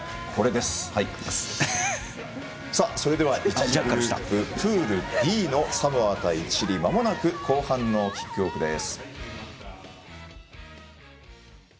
それでは１次リーグ、プールＤのサモア対チリ、まもなく後半のキックオフです。